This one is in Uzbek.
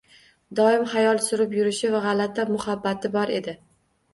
Doim xayol surib yurishi va gʻalati muhabbati bor edi